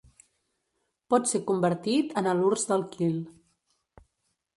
Pot ser convertit en halurs d'alquil.